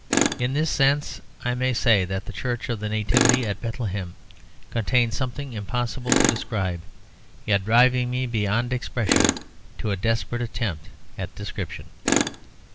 In this sense I may say that the Church of the Nativity at Bethlehem contains something impossible to describe, yet driving me beyond expression to a desperate attempt at description.